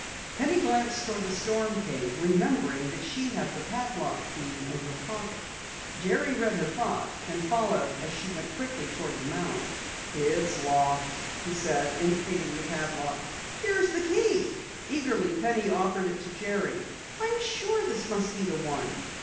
Penny glanced toward the storm cave, remembering that she had the key to the padlock in her pocket. Jerry read her thought, and followed as she went quickly toward the mound. "It's locked," he said, indicating the padlock. "Here's the key." Eagerly Penny offered it to Jerry. "I'm sure this must be the one."